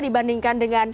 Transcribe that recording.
dibandingkan dengan atlet